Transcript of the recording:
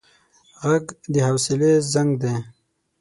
غږ د حوصله زنګ دی